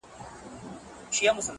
و تاته چا زما غلط تعريف کړی و خدايه”